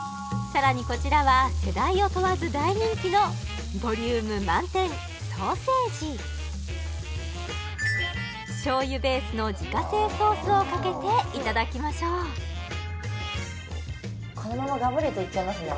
さらにこちらは世代を問わず大人気のボリューム満点ソーセージをかけていただきましょうこのままガブリといっちゃいますね